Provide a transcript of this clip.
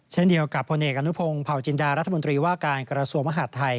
เช่นเดียวกับพลเอกอนุพงศ์เผาจินดารัฐมนตรีว่าการกระทรวงมหาดไทย